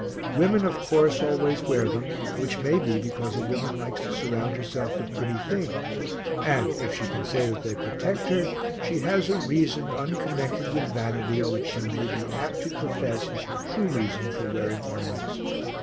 Women, of course, always wear them, which may be because a woman likes to surround herself with pretty things, and, if she can say that they protect her, she has a reason, unconnected with vanity, which she may be apt to profess is her true reason for wearing ornaments.